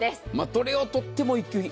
どれをとっても一級品。